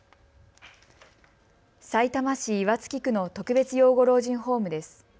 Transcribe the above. さいたま市岩槻区の特別養護老人ホームです。